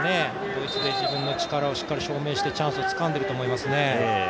ドイツで自分の力を証明してチャンスをつかんでいると思いますね。